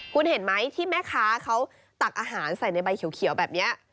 คุณเห็นไหมที่แม่ค้าเขาตักอาหารใส่ในใบเขียวแบบนี้